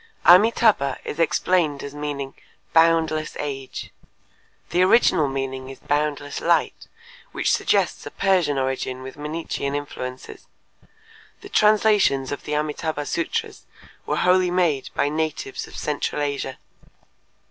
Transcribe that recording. Amitâbha is explained as meaning "boundless age." The original meaning is "boundless light," which suggests a Persian origin with Mannichean influences. The translations of the Amitâbha sutras were wholly made by natives of central Asia.